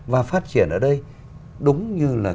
và phát triển ở đây đúng như là